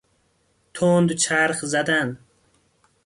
تند چرخ زدن